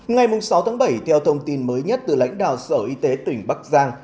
ngày sáu tháng bảy theo thông tin mới nhất từ lãnh đạo sở y tế tỉnh bắc giang